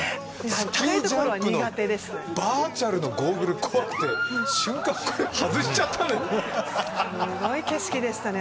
スキージャンプのバーチャルのゴーグル怖くて瞬間これ外しちゃったんですすごい景色でしたね